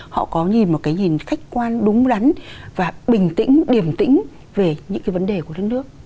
họ có nhìn một cái nhìn khách quan đúng đắn và bình tĩnh điểm tĩnh về những cái vấn đề của đất nước